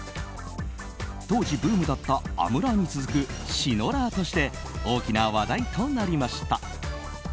当時ブームだったアムラーに続くシノラーとして大きな話題となりました。